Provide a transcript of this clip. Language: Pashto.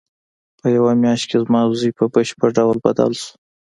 په یوه میاشت کې زما زوی په بشپړ ډول بدل شو